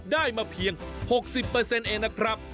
ได้มาเพียง๖๐เองนะครับ